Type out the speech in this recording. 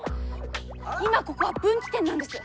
今ここは分岐点なんです！